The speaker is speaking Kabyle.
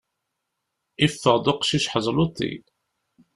Yeffeɣ-d uqcic ḥezluṭi!